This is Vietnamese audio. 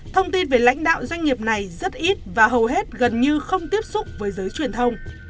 thông tin về lãnh đạo doanh nghiệp này rất ít và hầu hết gần như không tiếp xúc với giới truyền thông